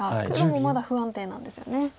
黒もまだ不安定なんですよね。